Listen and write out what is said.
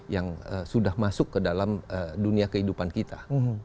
yang sudah masuk ke dalam dunia kehidupan kita